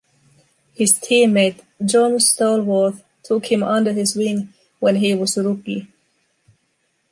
His teammate John Stallworth took him under his wing when he was a rookie.